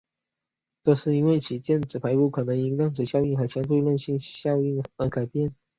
这是因为其电子排布可能因量子效应和相对论性效应而改变。